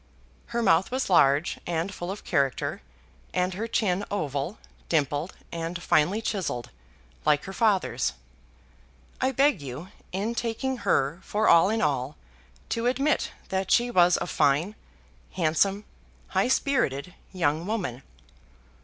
Her mouth was large, and full of character, and her chin oval, dimpled, and finely chiselled, like her father's. I beg you, in taking her for all in all, to admit that she was a fine, handsome, high spirited young woman.